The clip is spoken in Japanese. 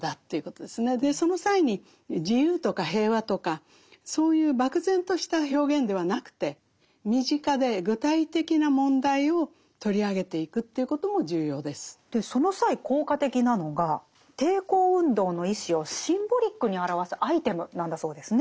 その際に自由とか平和とかそういう漠然とした表現ではなくてその際効果的なのが抵抗運動の意志をシンボリックに表すアイテムなんだそうですね。